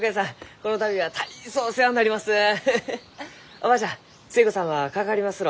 おばあちゃん寿恵子さんはかかりますろう？